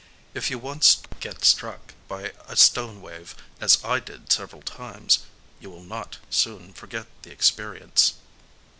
If you once get struck by a stone wave,—as I did several times,—you will not soon forget the experience.